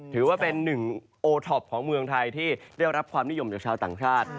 ถือว่าเป็นหนึ่งโอท็อปของเมืองไทยที่ได้รับความนิยมจากชาวต่างชาติ